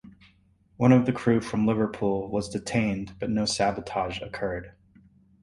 One of the crew from Liverpool was detained but no sabotage occurred.